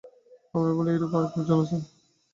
আমরা বলি, এইরূপ একজন আছেন।